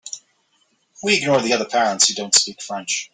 We ignore the other parents who don’t speak French.